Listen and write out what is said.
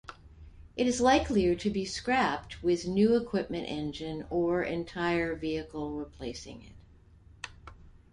It is likelier to be scrapped, with new equipment-engine or entire vehicle-replacing it.